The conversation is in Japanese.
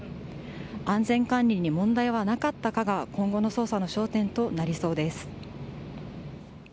安全管理に問題はなかったかが今後の捜査の焦点となりそうです。